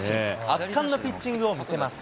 圧巻のピッチングを見せます。